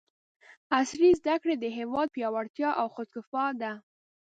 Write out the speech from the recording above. عصري زده کړې د هېواد پیاوړتیا او خودکفاء ده!